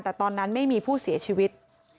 แต่ตอนนั้นไม่มีผู้เสียชีวิต